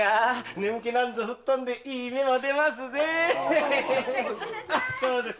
眠気なんて吹っ飛んでいい目も出ますぜ！